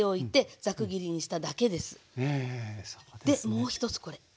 もう一つこれ。